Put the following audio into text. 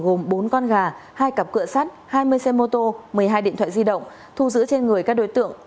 gồm bốn con gà hai cặp cửa sắt hai mươi xe mô tô một mươi hai điện thoại di động thu giữ trên người các đối tượng